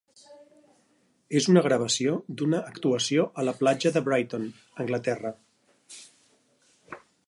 És una gravació d'una actuació a la platja de Brighton, Anglaterra.